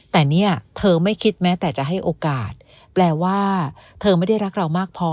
แต่เนี่ยเธอไม่คิดแม้แต่จะให้โอกาสแปลว่าเธอไม่ได้รักเรามากพอ